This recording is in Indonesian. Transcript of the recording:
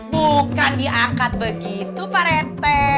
bukan diangkat begitu pak rete